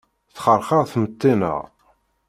Texxerxer tmetti-nneɣ.